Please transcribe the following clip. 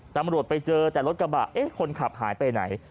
ตำรวจไปเจอแต่รถกระบะเอ๊ะคนขับหายไปไหน